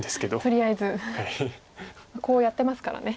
とりあえずコウをやってますからね。